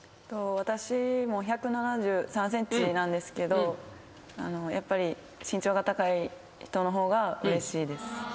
私も１７３ｃｍなんですけどやっぱり身長が高い人の方がうれしいです。